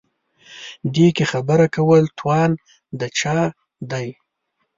دې کې خبره کول توان د چا دی.